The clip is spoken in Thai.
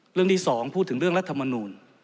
เรื่องที่๒พูดถึงเรื่องรัฐมนูล